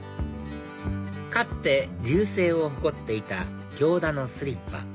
かつて隆盛を誇っていた行田のスリッパ